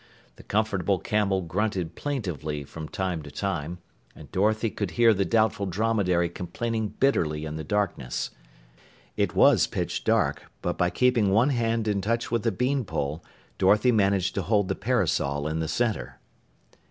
The Comfortable Camel grunted plaintively from time to time, and Dorothy could hear the Doubtful Dromedary complaining bitterly in the darkness. It was pitch dark, but by keeping one hand in touch with the bean pole, Dorothy managed to hold the parasol in the center.